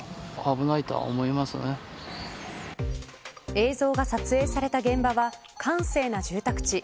映像が撮影された現場は閑静な住宅地。